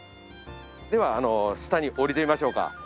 では下に下りてみましょうか。